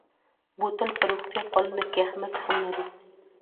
بوتل په روغتیا پالنه کې هم اهمیت لري.